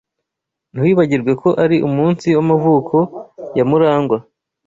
Ntiwibagirwe ko ari umunsi w'amavuko ya Murangwa.